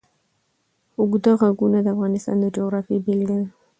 اوږده غرونه د افغانستان د جغرافیې بېلګه ده.